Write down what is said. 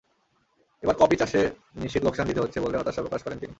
এবার কপি চাষে নিশ্চিত লোকসান দিতে হচ্ছে বলে হতাশা প্রকাশ করেন তিনি।